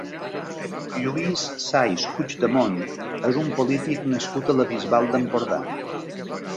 Lluís Sais Puigdemont és un polític nascut a la Bisbal d'Empordà.